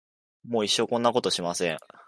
もう一生こんなことはしません。